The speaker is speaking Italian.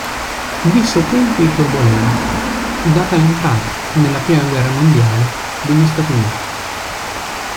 Visse tempi turbolenti data l'entrata nella Prima guerra mondiale degli Stati Uniti.